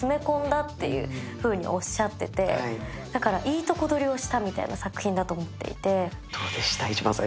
いいとこどりをしたみたいな作品だと思っていて。